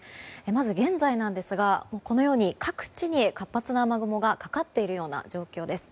まず、現在なんですが各地に活発な雨雲がかかっているような状況です。